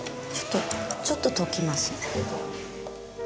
ちょっと溶きます。